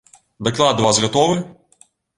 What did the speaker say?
Даклад у вас гатовы?